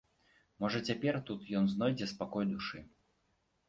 Можа цяпер тут ён знойдзе спакой душы.